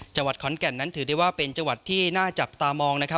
จังหวัดขอนแก่นนั้นถือได้ว่าเป็นจังหวัดที่น่าจับตามองนะครับ